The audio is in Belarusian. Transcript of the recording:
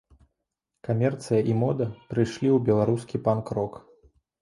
Камерцыя і мода прыйшлі ў беларускі панк-рок.